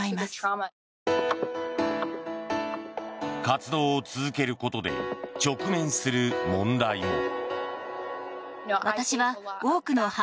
活動を続けることで直面する問題も。